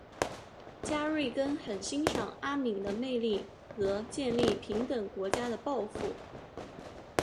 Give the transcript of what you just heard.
加瑞根很欣赏阿敏的魅力和建立平等国家的抱负。